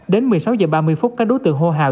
đến một mươi sáu h ba mươi phút các đối tượng hô hào